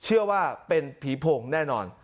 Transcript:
เชื่อว่าเป็นผีโพงแน่นอน